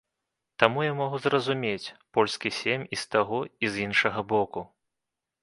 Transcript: Таму я магу зразумець польскі сейм і з таго, і з іншага боку.